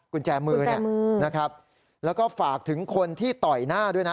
กุญแจมือเนี่ยนะครับแล้วก็ฝากถึงคนที่ต่อยหน้าด้วยนะ